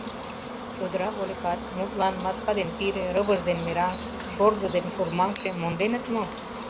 Чодыра вольыкат, мутлан, маска ден пире, рывыж ден мераҥ, шордо ден шурмаҥше, монденыт мо?